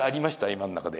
今の中で。